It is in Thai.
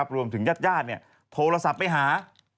รวมถึงญาติโทรศัพท์ไปหา